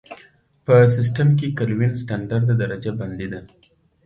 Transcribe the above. په سیسټم کې کلوین ستندرده درجه بندي ده.